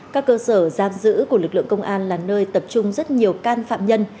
các cơ sở giam giữ của lực lượng công an là nơi tập trung rất nhiều can phạm nhân